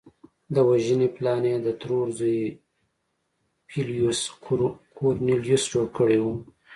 د وژنې پلان یې د ترور زوی پبلیوس کورنلیوس جوړ کړی و